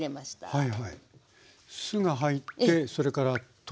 はい。